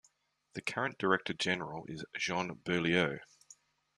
The current director general is Jean Beaulieu.